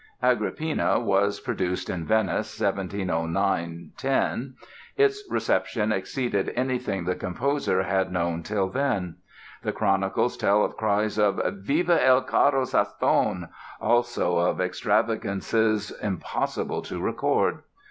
"Agrippina" was produced in Venice, 1709 10. Its reception exceeded anything the composer had known till then. The chronicles tell of cries of "Viva il caro Sassone", also of "extravagances impossible to record."